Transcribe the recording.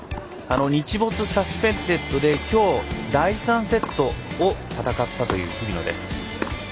日没サスペンデッドできょう、第３セットを戦ったという日比野。